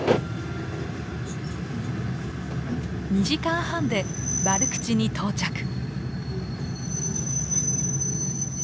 ２時間半でバルクチに到着。